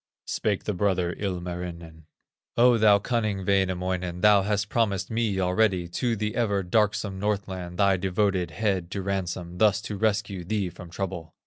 Spake the brother, Ilmarinen: "O thou cunning Wainamoinen, Thou hast promised me already To the ever darksome Northland, Thy devoted head to ransom, Thus to rescue thee from trouble.